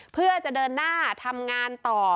เพื่อจะเดินหน้าทำงานต่อ